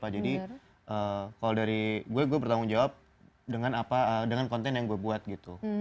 jadi kalau dari gue gue bertanggung jawab dengan konten yang gue buat gitu